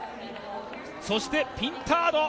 そして、ピンタード。